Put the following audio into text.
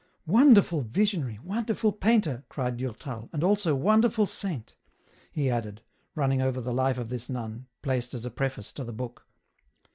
" Wonderful visionary, wonderful painter," cried Durtal, " and also wonderful saint," he added, running over the life of this nun, placed as a preface to the book.